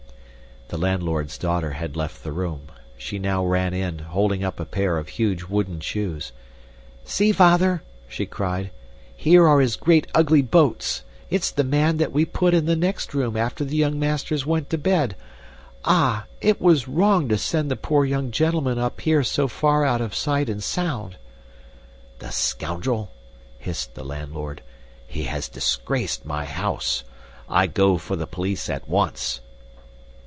The landlord's daughter had left the room. She now ran in, holding up a pair of huge wooden shoes. "See, father," she cried, "here are his great ugly boats. It's the man that we put in the next room after the young masters went to bed. Ah! It was wrong to send the poor young gentlemen up here so far out of sight and sound." "The scoundrel!" hissed the landlord. "He has disgraced my house. I go for the police at once!"